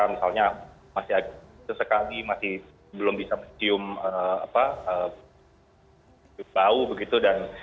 misalnya masih ada sesekali masih belum bisa mencium bau